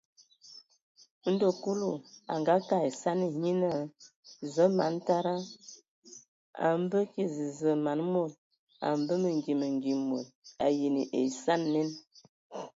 Ndo Kulu a ngakag esani, nye naa: Zǝə, man tada, a a mbǝ kig zəzə man mod. A mbə mengi mengi mod. A ayean ai esani nen !